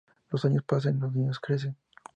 Los años pasan, y los niños crecen.